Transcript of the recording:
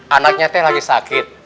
anaknya teh lagi sakit